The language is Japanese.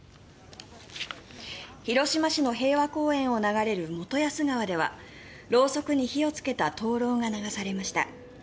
広島市の平和公園を流れる元安川ではろうそくに火をつけた灯ろうが流されました。